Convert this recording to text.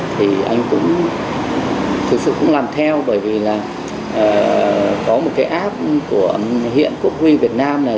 thì anh thực sự cũng làm theo bởi vì là có một cái app của hiện quốc huy việt nam này